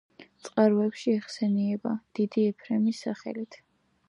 წყაროებში იხსენიება „დიდი ეფრემის“ სახელით.